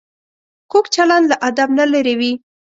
کوږ چلند له ادب نه لرې وي